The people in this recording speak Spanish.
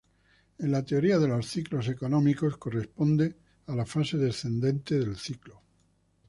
En la teoría de los ciclos económicos, corresponde a la fase descendente del ciclo.